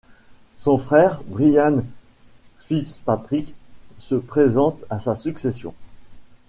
Son frère, Brian Fitzpatrick, se présente à sa succession.